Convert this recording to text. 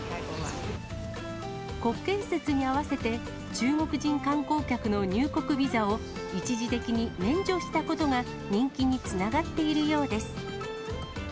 国慶節に合わせて、中国人観光客の入国ビザを一時的に免除したことが、人気につながっているようです。